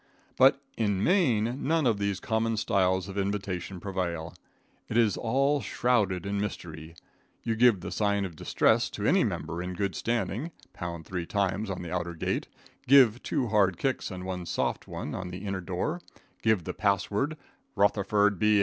But in Maine none of these common styles of invitation prevail. It is all shrouded in mystery. You give the sign of distress to any member in good standing, pound three times on the outer gate, give two hard kicks and one soft one on the inner door, give the password, "Rutherford B.